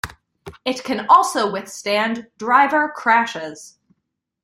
It can also withstand driver crashes.